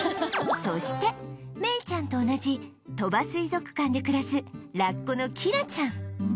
そしてメイちゃんと同じ鳥羽水族館で暮らすラッコのキラちゃん